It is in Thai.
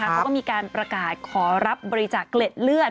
เขาก็มีการประกาศขอรับบริจาคเกล็ดเลือด